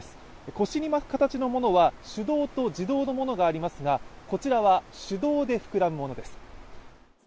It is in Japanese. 腰に巻く形のものは手動と自動のものがありますが、こちらは手動で膨らむものです。